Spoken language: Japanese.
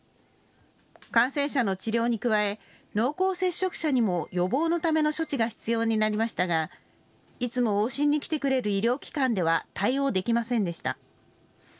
感染者の治療に加え、濃厚接触者にも予防のための処置が必要になりましたがいつも往診に来てくれる医療機関では対応できませんでした。